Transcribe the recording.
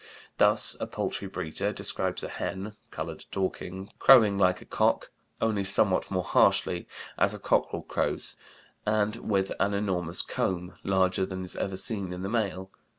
Thus, a poultry breeder describes a hen (colored Dorking) crowing like a cock, only somewhat more harshly, as a cockerel crows, and with an enormous comb, larger than is ever seen in the male.